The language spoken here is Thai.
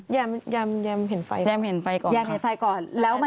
แยมเห็นไฟก่อนค่ะแยมเห็นไฟก่อนแล้วมัน